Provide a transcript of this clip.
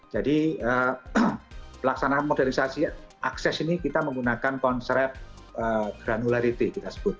jadi pelaksanaan modernisasi akses ini kita menggunakan konsep granularity kita sebut